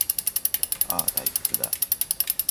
ああ、退屈だ